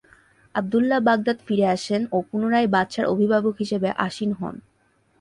Abdullah Baghdad ফিরে আসেন ও পুনরায় বাদশাহর অভিভাবক হিসেবে আসীন হন।